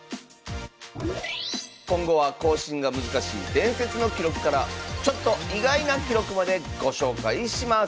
今後は更新が難しい伝説の記録からちょっと意外な記録までご紹介します